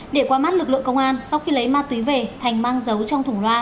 để qua mắt lực lượng công an sau khi lấy ma túy về thành mang dấu trong thùng loa